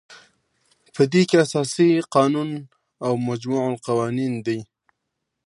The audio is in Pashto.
په دې کې اساسي قانون او مجمع القوانین دي.